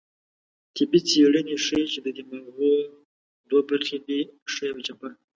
طبي څېړنې ښيي، چې د دماغو دوه برخې دي؛ ښۍ او چپه